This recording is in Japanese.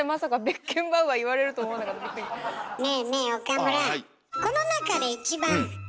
ねえねえ岡村。